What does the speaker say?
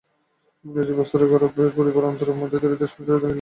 ইংরাজি বস্ত্রের গৌরবগর্ব পরিবারের অন্তরের মধ্যে ধীরে ধীরে সঞ্চারিত হইল।